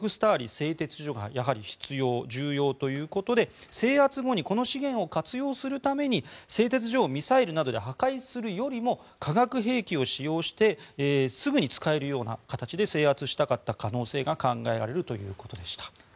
製鉄所がやはり必要、重要ということで制圧後にこの資源を活用するために製鉄所をミサイルなどで破壊するよりも化学兵器を使用してすぐに使えるような形で制圧したかった可能性が考えられるということでした。